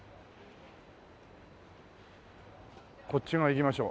こっち側行きましょう。